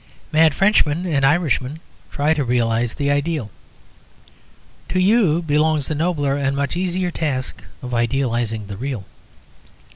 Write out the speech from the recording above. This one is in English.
Mad Frenchmen and Irishmen try to realise the ideal. To you belongs the nobler (and much easier) task of idealising the real.